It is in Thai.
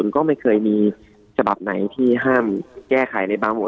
ก็ไม่เคยมีฉบับไหนที่ห้ามแก้ไขในบางบท